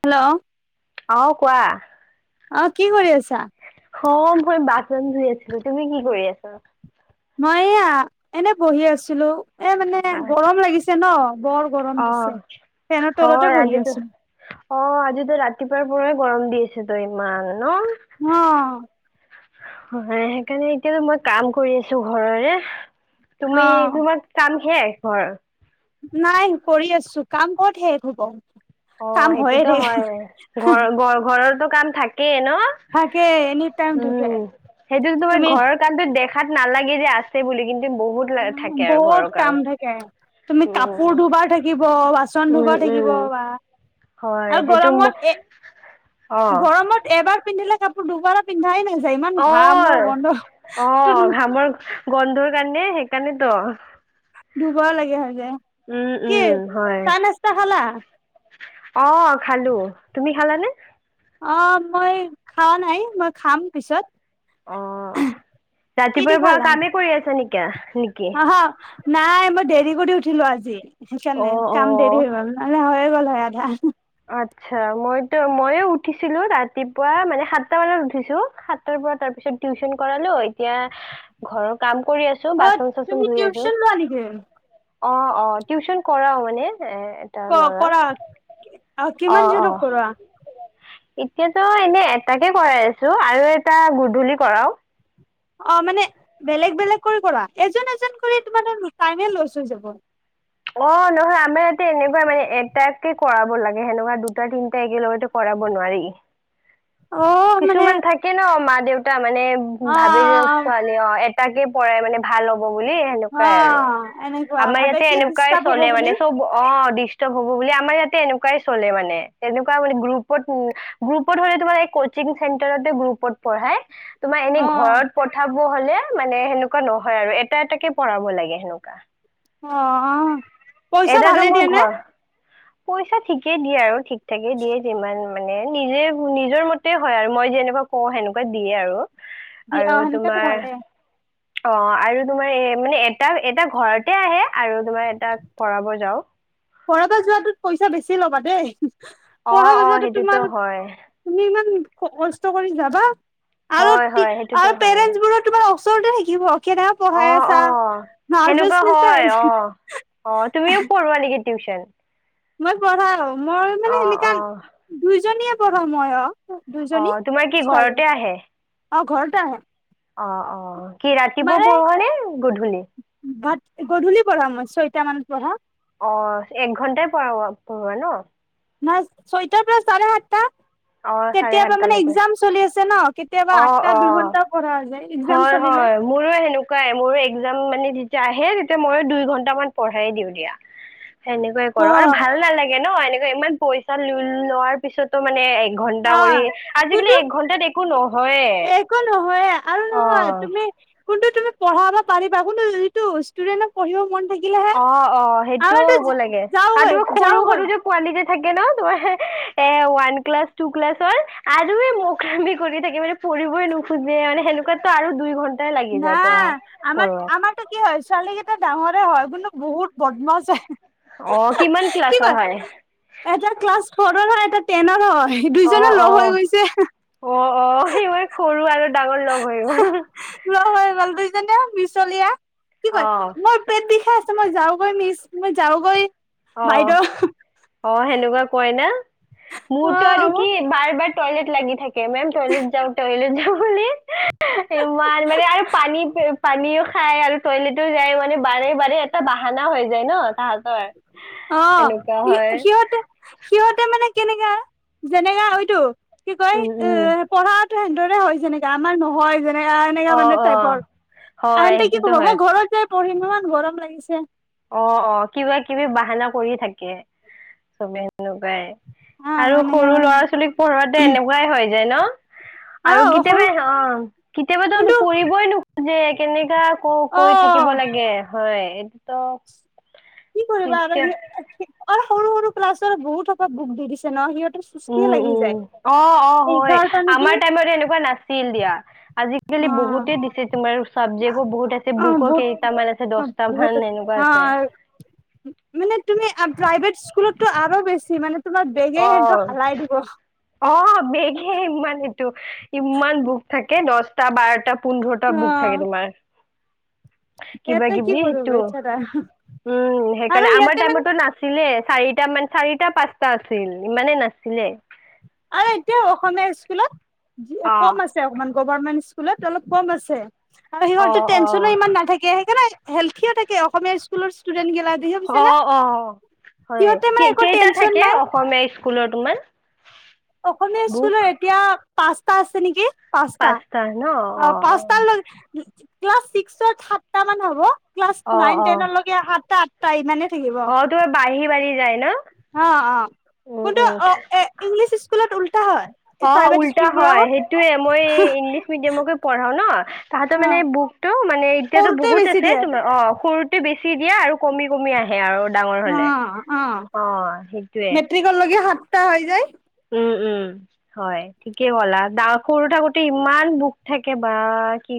Hello. অহ কোৱা? অ কি কৰি আছা অ', মই বাছন ধুই আছিলো, তুমি কি কৰি আছা? মই এইয়া, এনে বহি আছিলো। এ মানে, গৰম লাগিছে নহ। অ', হয়, বহি আজিটো। আছো অ', আজিটো ৰাতিপুৱাই। মোৰে গৰম দি আছে তই ইমান ন অ'। হয়, সেইকাৰণে এতিয়া মই কাম কৰি আছো ঘৰৰে। অ তুমি, তোমাৰ কাম শেষ ঘৰ। নাই, কৰি আছো কাম ক'ত শেষ হব। কাম অ', হয়ে সেইটোতো থাকে হয়, ঘৰ-ঘৰৰটো কাম থাকে। কে ন থাকে এনি টাইম থাকে উম সেইটোতো তোমাৰ তুমি ঘৰৰ কানটো দেখ তাত নালাগে যে আছে বুলি কিন্তু বহুত উ থাকে আৰু বহুত ঘৰৰ কাম থাকে তুমি উম কাপোৰ দুবাৰ থাকিব ব বাচন ধুব উম উম উম থাকিব বা। হয় আৰু সেইটো ম গৰমত এ। অ গৰমত এবাৰ পিন্ধিলে কাপোৰ দুবাৰৰ পিন্ধাই নাই। অহ', অহ' ঘামৰ গোন্ধ। সেইকাৰণে, সেইকাৰণে ত। ধুব লাগে হয় যায়। কি উম, চাহ নাস্তা খালা? অহ' খালো। তুমি খালাানে? অ, মই খোৱা নাই মই খাম পিছত। অহ'। ৰাতিপুৱাৰ পৰা কামেই কৰি আছা নেকিয়া। হা, হা। নাই, মই দেৰি কৰি উঠিলো আজি। সেইকাৰণে, অ', কাম দেৰি হৈ অ'। গ'ল নহ'লে হৈ গ'ল আধা। আচ্ছা, মইতো ময়ো উঠিছিলো ৰাতিপুৱা মানে সাতটা বজাত উঠিছো, সাতটাৰ পৰা তাৰপিছত। সিক টিউচন কৰালোঁ। এতিয়া ঘৰৰ কাম। কৰি আছো, অ' বাচন চচন তুমি ধুই আছো। টিউচন লোৱা নেকি? অ, অ, টিউচন কৰাও মানে। এ এটা ল'ৰাক। ক-কৰা। আ কিমান অ', জনক অ'। কৰা। এতিয়াতো এনে এটাকে কৰাই আছো, আৰু এটা গধূলি কৰাওঁ। অহ' মানে বেলেগ বেলেগ কৰি কৰা। এজন এজন কৰি তোমাৰ তাত টাইমে লৈছৈ যাব। অহ' নহয় আমাৰ ইয়াতে এনেকুৱা মানে, এটাকে কৰাব লাগে সেনেকুৱা দুটা তিনিটা একেলগতে কৰা। কাব নোৱাৰি সি। অহ'। কিছুমান থাকে ন, মা-দেউতা মানে অ' ভাবি অ' ছোৱালী অহ,। তাকে, পঢ়াই মানে ভাল হ'ব। বুলি সনেকুৱাই আৰু। অ' এনেকুৱা আমাৰ ভাবে ইয়াতে কি এনেকুৱাই ডিষ্টাৰ্ব হ'ব চলে মানে বুলি চব অহ,। ইস্তপ হ'ব বুলি। আমাৰ ইয়াত এ এনেকুৱাই চলে মানে। সেনেকুৱা মানে গ্ৰোপত উম,। গ্ৰোপত হলে তোমাৰ এক থিং চেন্টৰতেই, গ্ৰোপত পঢ়াই। তোমাৰ এনেই অ' ঘৰত পথাব হ'লে। মানে, সেনেকুৱা নহয় আৰু এটা এটাকে পঢ়াব লাগে সেনেকুৱা। অহ' পইচা এটাতো ভালে মোৰ দিয়ে নে? ঘৰ পইচা ঠিকেই দিয়ে আৰু। ঠিক থঠাকে দিয়ে, যিমান মানে নিজে, নিজৰ মতে। সেইটোৱেই হয় আৰু, মই যে এনেকুৱা কওঁ সেনেকুৱা দিয়ে আৰু। দি অ আৰু সেনেকাতো ভালে তোমাৰ অ আৰু তোমাৰ মানে এটা এটা ঘৰতে আহে আৰু তোমাৰ এটা পঢ়াব যাওঁ। কৰবাত যোৱাটোত পইচা বেছি ল'বা দেই। [unintelligible] অ ক অ বাতচ্চাটো সেইটোতো তোমাৰ। হয় তুমি ইমান কষ্ট কৰি যাবা। আৰু হয় টি। হয় সেইটোতো আৰু পেৰেন্টছ বোৰো তোমাৰ ওচৰতে শিকিব। অহ', অহ' সেনেকুৱা নাৰ্ভাচনেচ হয়। আহিছে অহ', অহ, তুমিও পঢ়োৱা নেকি। টিউচন। মই পঢ়াও। মই মানে অ সেনেকা অ দুইজনীয়ে, পঢ়া মই অহ,। অ দুইজনী তোমাৰ কি ছোৱালী। ঘৰতে অহ, ঘৰতে আহে। অহ', অহ' কি ৰাতিপুৱা মানে পঢ়োৱা নে গধূলি। কেইটা মানত পঢ়া। অহ' এক ঘণ্টাই প-পঢ়োৱা ন। নাই, ছয়টাৰ পৰা চাৰে সাতটা। অহ' চাৰে কেতিয়াবা মানে সাতটালৈকে। এক্জাম চলি আছে ন কেতিয়াবা অ', আঠটা অ'। দুঘন্টাও পঢ়া যায় এক্জাম হয়, চলিলে হয়। মোৰো সেনেকুৱাই, মোৰো এক্জাম মানে। আহে তেতিয়া মইো দুই ঘন্ট মান পঢ়াই দিওঁ দিয়া। সেনেকে অ কৰো, আৰু ভাল নালাগে। ন এনেকুৱা ইমান পইচা লো লোৱাৰ পিছতো মানে। এক ঘণ্টা কৰি, আজিকালি এক ঘণ্টাত একো নহ। এ, একো নহয়। আৰু নহয় তুমি। কিন্তু, তুমি পঢ়াবা পাৰিবা। কিন্তু যিটো ষ্টুডেণ্টক পঢ়িব মন থাকি অ', অ' সেইটোও হ'ব লাগে। আৰু যাওগৈ তুমি সৰু যাওগৈ সৰু যে পোৱালি যে। থাকে ন তোমাৰ। এ, ওৱান ক্লাছ টু ক্লাছৰ আৰু এ, মোক মেকুৰি থাকে মানে। কৰিবই নোখোঁজে মানে, সেনেকুৱাতো আৰু দুই ঘণ্টা। নাই আমাৰ আমাৰতো কি হয় ছোৱালীকেইটা ডাঙৰ সেইটো হয় কিন্তু বহুত বদমাছ অ কিমান কি ক্লাছৰ হয় কয় এটা ক্লাছ ফ'ৰৰ হয় এটা টেনৰ হয়। অ দুইজনে অ লগ হৈ গৈছে। অ অ' সি মই সৰু আৰু ডাঙৰ লগ হৈ গ'ল। লগ হৈ [unintelligible] মিছলীয়া কি অ কয় মোৰ পেট বিষাই আছে মই যাওগৈ মিছ মই যাওগৈ। অ'- অ' সেনেকুৱা কয় না মোৰতো আৰু অ' কি বাৰ টয়লেট লাগি থাকে মেম তয়লেট যাওঁ টয়লেট যাওঁ বুলি ইমান মানে আৰু পানী পানীও খাই আৰু টয়লেটও যায় মানে বাৰে- বাৰে এটা বাহানা হৈ যায় ন। [unintelligible] অ', সেনেকুৱা সি হয় সিহঁতে- সিহঁতে মানে কেনেকা যেনেকা হয়টো। কি কয় উম এ উম পঢ়াটো সেনেদৰে হয় যেনেকে আমাৰ নহয় যে এ এনেকে অ মানে অ টাইপৰ, হয় ইহঁতি কি ক'ব সেইটোতো হয় মই ঘৰত যাই পঢ়িম হা গৰম লাগিছে। অ'- অ' কিবা কিবি বাহানা কৰি থাকে চবে। এনেকুৱাই হা আৰু এনেকে সৰু মানে ল'ৰা ছোৱালীক পঢ়োৱাতে এনেকুৱাই হৈ যায় ন। আৰু অ' সৰু কেতিয়াবা অ'কেতিয়াবাতো কোনটো পঢ়িবই নুখোযে কেনেকা আকৌ কৰি অ' থাকিব লাগে হয়, এইটোতো কি কৰিবা আৰু তেতিয়া সি সৰু- সৰু ক্লাছৰ বহুতকে বুক দি দিছে ন সিহত উম- উম অ'- অ' হয়, এঘাৰটা নেকি আমাৰ টাইমত এনেকুৱা নাছিল দিয়া। আজিকালি অ বহুতে দিছে তোমাৰো চাবজেক্টও বহুত আছে অ বুকো বহুত কেইটামান আছে দছটা বহুত মান এনেকুৱা। অ আছে। মানে তুমি আ প্ৰাইভেট স্কুলতটো আৰু বেছি মানে তোমাক বেগে অ হিহতক হালাই দিব। অ বেগে ইমান এইটো ইমান বোক থাকে দছটা বাৰটা। পোন্ধৰটা বুক থাকে তোমাৰ। কিবা সিহঁতে কি কিবি কৰিব সেইটো বেচেৰা উম আৰু সেইকাৰণে আমাৰ সিহঁতে মানে টাইমতো নাছিলে। চাৰিটা মান চাৰিটা পাঁচটা আছিল ইমানে নাছিলে। আৰু এতিয়া অসমীয়া স্কুলত অ কম আছে অকমান গভৰমেন্ট ছ স্কুলত অলপ কম আছে আৰু অ সিহঁতৰ টেনচনো ইমান অ নাথাকে সেইকাৰনে হেলথিয়ে থাকে অসমীয়া স্কুলৰ ষ্টো অ'- অ' হয়, সিহঁতে মানে কেই একো কেইটা টেনচন থাকে নাই অসমীয়া স্কুলৰ তোমাৰ। অসমীয়া বুক স্কুলৰ এতিয়া পাঁচটা আছে নেকি। পাঁচটা অ' পাঁচটা লৈ ক্লাছ ছিক্সত সাতটা মান হ'ব ক্লাছ অ নাইন অ টেনলেকে সাতটা আঠটা ইমানে থাকিব অ' তোমাৰ বাঢ়ি-বাঢ়ি অ'- অ', কিন্তু উম অ' এ ইংলিছ স্কুলত উল অ' উল্টা হয় সেইটোয়ে মই ইংলিছ মিডিয়ামকে পঢ়াও ন। তাহাঁতৰ অ মানে বুকটো মানে এতিয়াতো সৰুতে বহুত বেছি আছে দিয়ে তোমাৰ অ' সৰুতে বেছ চি দিয়ে আৰু কমি-কমি আহে আৰু। ডাঙৰ অ, হলে অ, মেট্ৰিক লগকে সাতটা হৈ যায়। উম-উম হয় ঠিকেই ক'লা দা সৰু থাকোতে ইমান বুক থাকে বা কি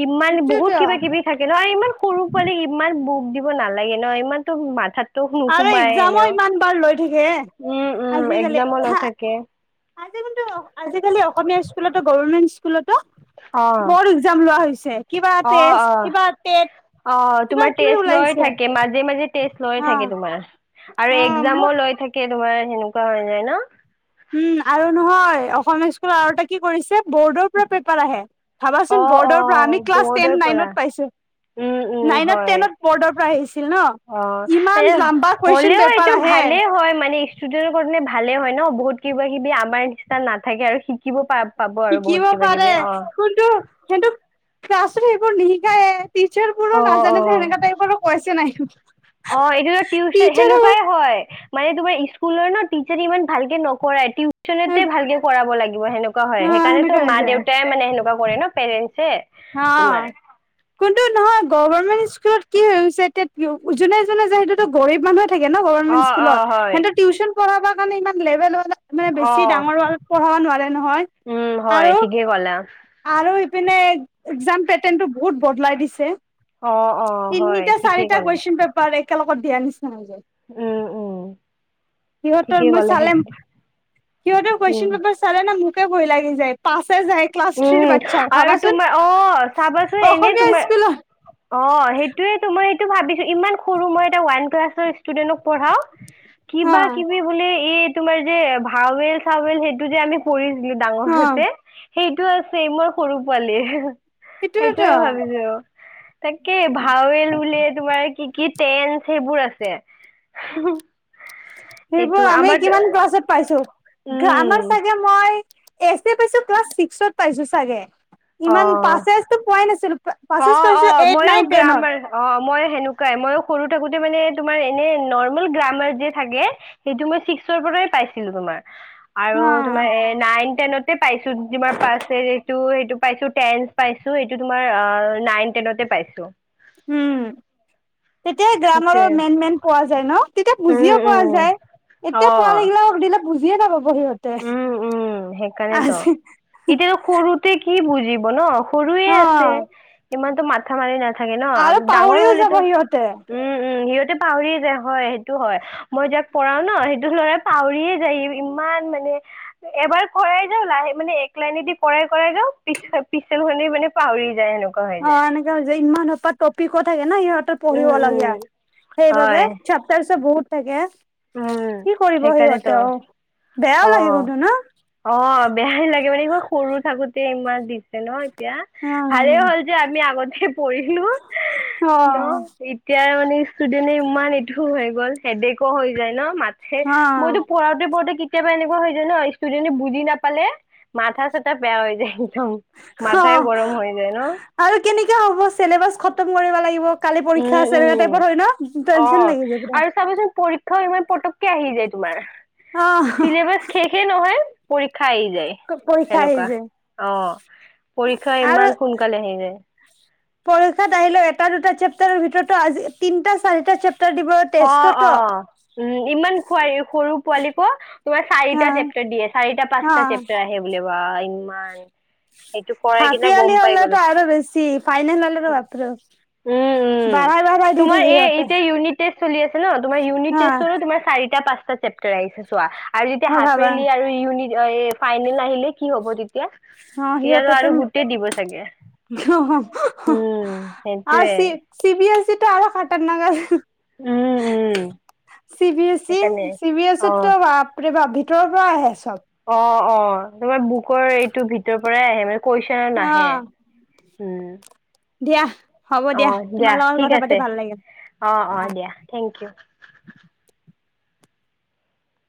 কিমান বহুত সেইটোয়েতো কিবা কিবি থাকে ন আৰু ইমান সৰু পোৱালি ইমান বু দিব নালাগে ন, ইমানতো মাথাতো আৰু নোসোমাই এক্জামো এনেও। ইমান বাৰ লৈ থাকে উম-উম আজিকালি এক্সামো নাথাকে। আজি কিন্তু আজিকালি অসমীয়া স্কুলতো গভৰমেন্ট স্কুলতো অ বৰ এক্জাম লোৱা হৈছ কিবা অ অ টেষ্ট কিবা তেট। অ' তোমাৰ টেষ্ট লৈয়ে থাকে মাজে- মাজে টেষ্ট লৈয়ে অ থাকে তোমাৰ। আৰু অ মোৰ এক্জামো লৈ থাকে তোমাৰ সেনেকুৱা হৈ যায় ন। উম আৰু নহয় অসমীয়া স্কুল আৰু এটা কি কৰিছে ব'ৰ্ডৰ পৰা পেপাৰ আহে। অ ভাবাচোন অ বৰ্ডৰ পৰা আমি ক্লাছ বৰ্ডৰ টেন পৰা নাইনত পাইছো। উম উম নাইনত হয় ট্ৰেইনত বৰ্ডৰ পৰা আহিছিল ন অ' ইমান এই লাম্বা কুৱেশন হ'লেও পেপাৰ এইটো আহে ভালেই হয় মানে ষ্টুডেন্টৰ কাৰণে ভালে হয় ন' বহুত কিবা-কিবি আমাৰ নিচিনা নাথাকে আৰু শিকিব পা পাব আৰু বহুত শিকিব কিবা পাৰে, কিবি অ কিন্ত সিহঁতক ক্লাছত সেইবোৰ নিশিকায়ে। টিচাৰ বোৰো অ অ নাজানে যে সেনেকা টাইপৰো কৈছে নাই। অ', এইটো টিউচন টিচাৰো সেনেকুৱাই হয়, মানে তোমাৰ। স্কুলৰ নহ, টিচাৰ ইমান ভালকে নকৰে টিউ। [unintelligible] অ তে ভালকে কৰাব লাগিব সেনেকুৱা হয় সেনেকা সেইকাৰণেতো হৈ মা-দেউতাই মানে সেনেকুৱা কৰে ন' পেৰেণ্ট হা কোনটো নহয় গভৰমেণ্ট স্কুলত কি হৈছে এতিয়া, উজনে এজনে যায় সেইটোতো গৰীব মানুহ। থাকে ন' অ গভৰ্ণমেণ্ট অ স্কুলত হয় সেন্তে টিউচন পঢ়াবা কাৰণে ইমান লেবেল মানে অ বেছি ডাঙৰ [unintelligible] পঢ়াব নোৱাৰে নহয় উম হয় আৰু ঠিকেই ক'লা -আৰু পিনে একজাম পেটাৰ্ণ টো বহুত বদলাই দিছে অ অ হয় তিনিটা ঠিকেই চাৰিটা ক'লা কুৱেশন পেপাৰে একেলগত দিয়া নিচিনা হৈ যায় উম উম সিহঁতৰ ঠিকেই মই ক'লা সেই চালেম সিহঁতে কুৱেশ্যন উম পেপাৰ চালে নে, মোকে ভয় লাগি যায় পাছ। উম, আৰু তোমাৰ অ, চাবাচোন এনে অসমীয়া তোমাৰ স্কুলত অ', সেইটোৱেতো, মই সেইটো ভাবিছো। ইমান সৰু, মই এটা ওৱান ক্লাছৰ ষ্টুডেন্টক। পঢ়াও অ কিবা-কিবি বোলে এই তোমাৰ যে ভাওেল চাওেল সেইটো যে আমি ককৰিছিলোঁ অ ডাঙৰহতে সেইটো আছেই মোৰ সৰু পোৱালিৰ সেইটোয়ে সেইটোৱেতো ভাবিছো তাকে ভাৱেল বুলিয়ে তোমাৰ কি কিত টেঞ্চ সেইবোৰ আছে [unintelligible] এইটো সেইবোৰ আমি আমাৰ কিমান [unintelligible] পাইছো, গ্ৰামাৰ উম চাগে মই। এচ দে পাইছো ক্লাছ ছিক্সত পাইছো চাগে ইমান অ পাচেচ টো পোৱাই নাছিলো। পাছেজ অ', পাইছো অ', এইট মইওঁ নাইন টেনত গ্ৰামাৰ অ, মই সেনেকুৱাই মইও সৰু থাকোঁতে মানে তোমাৰ এনে নৰ্মেল গ্ৰামাৰ যে থাকে সেইটো মই ছিক্সৰ প ৰাই পাইছিলোঁ তোমাৰ। আৰু অ তোমাৰ, এ নাইন টেনতে পাইছো। তোমাৰ [unintelligible] এইটো, সেইটো। পাইছো, টেন্ট পাইছো। এইটো, তোমাৰ আ নাইন। একেলগতে পাইছো। উম তেতিয়াই, গ্ৰামৰৰ সেইটোৱে। মেইন মেইন পোৱা যায় নহ? তেতিয়া বুজিয় উম পোৱা উম যায় এতিয়া পোৱালি গিলাও সুধিলে বুজিয়ে নাপাব। সিহঁতে উম-উম সেইকাৰণেতো আজি ইতিয়াও সৰুতে কি বুজিব ন' সৰুয়ে অ আছে ইমানতো মাথা মাৰি না থাকে নহ, আৰু ডাঙৰ পাহৰিও যাব হলেতো সিহঁতে উম। উম, সিহঁতে। পাহৰি যায় হয় সেইটো হয় মই যাক পঢ়াও ন সেইটো লৰা পাহৰিয়ে যায় ইমান মা নে এবাৰ কৰাই যাও লাহে মানে এক লাইনেদি কৰাই কৰাই যাও পি পিচেল খি মানে পাহৰি যায় সেনেকুৱা হৈ অ', যায় এনেকে হৈছে, ইমান সোপাত টপিকো থাকে। নাই সিহঁতৰ পঢ়িব উম লগীয়া উম সেইবাবে হয় চাপটাৰছ বহুত থাকে উম কি কৰিব সেইকাৰণেতো সিহঁতে অ'। বেয়াও লাগে অ', কিন্তু ন অ' বেয়াই লাগে মানে, ইমান সৰু থাকোতে ইমান। দিছে ন এতিয়া অ ভালেই হ'ল যে আমি আগত পৰিহি অ নহ-নহ এতিয়াই মানে। ষ্টুডেন্টে ইমান এইটো হৈ গ'ল, হেদেকো হৈ যায় নহ? মাথে, অ মইতো পঢ়াতে পঢ়াতে কেতি কেতিয়াবা এনেকুৱা হৈ যায় ন ষ্টুডেণ্টে বুজি নাপালে মাথা চাটা বেয়া হৈ যায় একদম অ মাথাই গৰম হৈ যায় ন আৰু কেনেকে হ'ব চেলেবাছ খ তম কৰিব লাগিব কালি উম পৰীক্ষা আছে এনেকা উম টাইত হয় ন টেনচন লাগি যায় পোৰা থ, ইমান পটককে আহি যায় তোমাৰ অ চিলেবাচ শেষে নহয়। খাই যায় পৰীক্ষা আহি সেনেকুৱা যায় অ', পৰীক্ষা আৰু ইমান সোনকালে আহি যায়। পৰীক্ষাত আহিলে এটা দুটা চেপটাৰৰ ভিতৰৰ টো তিনিটা-চাৰি চেপ অ, অ, উম, ইমান খোৱাৰী সৰু পোৱালীকো তোমাৰ অ চাৰিটা চেপ্তাৰ দিয়ে চাৰিটা অ পাঁচটা চেপ্টাৰ আহ বোলে বা ইমান। সেইটো কৰাই হাফ কিনে গম ইয়াৰ্লি পাই গলো হলেতো আৰু বেছি ফাইনেল হলেতো বাপৰে উম বাপ। উম বাৰাই বাৰাই দি তোমাৰ থাকে এই সিহঁতে। এতিয়া ইউনিট টেষ্ট চলি আছে ন, তোমাৰ অ উনিতেষ্টৰো চাৰিটা - পাঁচটা চেপ্টাৰ আহিছে চোৱা। আৰু যেতিয়া অ হাফ ভাবা ইয়াৰলি আৰু ইউনিট ফাইনেল আহিলে কি হ'ব তেত তিয়া আৰু গোটেই দিব চাগে। অ', উম আও সেইটোয়ে চি, চি বি এছ ইত আৰু খাটাৰনাক আ উম উম চি বি এছ ই, সেইকাৰণে চি বি এছ অ ইটো বাপৰে ভিত তৰৰ পৰা আহে চব অ, অ, তোমাৰ বুকৰ এইটো ভিতৰৰ পৰাই আহে মানে কোৱেচনৰ অ নাহে উম, দিয়া হ'ব অ দিয়া, তোমাৰ লগত ঠিক কথা পাতি আছে ভাল অ অ দিয়া লাগিল। Thank U